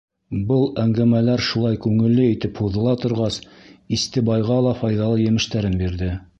Был әңгәмәләр шулай күңелле итеп һуҙыла торғас, Истебайға ла файҙалы емештәрен бирҙе.